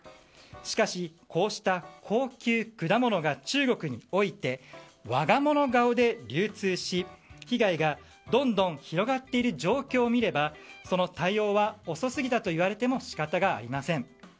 しかし、こうした高級果物が中国において我が物顔で流通し被害がどんどん広がっている状況を見ればその対応は遅すぎたといわれても仕方がありません。